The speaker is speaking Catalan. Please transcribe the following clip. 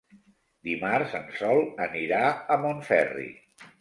Dimarts en Sol anirà a Montferri.